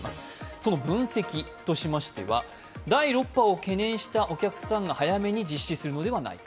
その分析としましては第６波を懸念したお客さんが早めに実施するのではないか。